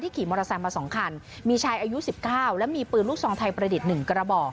ที่ขี่มอเตอร์แซมมาสองคันมีชายอายุ๑๙และมีปืนลูกทรองไทยประเด็น๑กระบ่อ